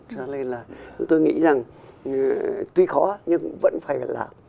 cho nên là chúng tôi nghĩ rằng tuy khó nhưng vẫn phải làm